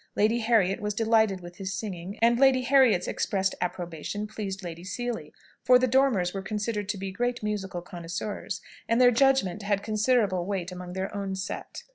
Lady Harriet was delighted with his singing, and Lady Harriet's expressed approbation pleased Lady Seely; for the Dormers were considered to be great musical connoisseurs, and their judgment had considerable weight among their own set.